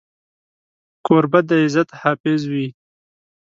کوربه د عزت حافظ وي.